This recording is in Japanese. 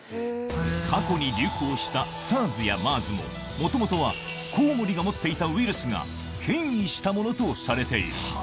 過去に流行したＳＡＲＳやＭＥＲＳも、もともとはコウモリが持っていたウイルスが変異したものとされている。